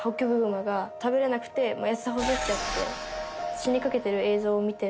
死にかけてる映像を見て。